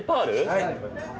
はい。